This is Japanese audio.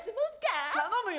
頼むよ